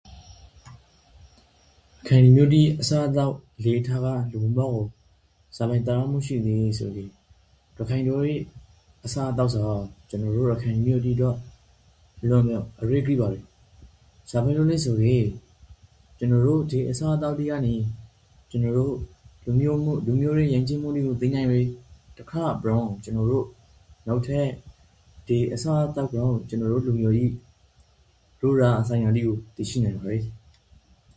ရခိုင်လူမျိုးတိအစားအသောက်အလေ့အထကလူမှုဘဝကိုဇာပိုင်သက်ရောက်မှုရှိလေဆိုကေ၊ရခိုင်လူမျိုးတိအစားအသောက်စွာကျွန်တော်ရို့ရခိုင်လူမျိုးတိအတွက်၊အလွန်ပင်အရေးကြီးပါယေ။ဇာဖြစ်လို့လဲဆိုကေ၊ကျွန်တော်ရို့ဒေအစားအသောက်တိကနိန်ကျွန်တော်ရို့လူမျိုးရေးယဉ်ကျေးမှုတိကိုသိနိုင်ယေ။တခြားအပြင်ကျွန်တော်ရို့နောက်ထပ်ဒေအစားအသောက်ကြောင့်ကျွန်တော်ရို့လူမျိုး၏ရိုးရာအစဉ်အလာတိကိုသိရှိနိုင်ပါယေ။